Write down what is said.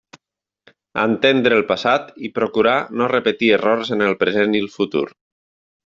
Entendre el passat i procurar no repetir errors en el present i el futur.